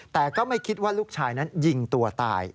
แต่ก็ไม่คิดว่าลูกชายนั้นยิงตัวตาย